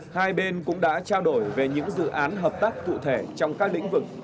hai bên cũng đã trao đổi về những dự án hợp tác cụ thể trong các lĩnh vực